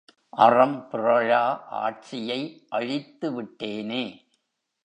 அறம் பிறழா ஆட்சியை அழித்து விட்டேனே!